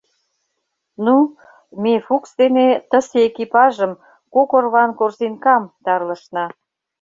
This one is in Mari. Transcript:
Ну, ме Фукс дене тысе экипажым — кок орван корзинкам — тарлышна.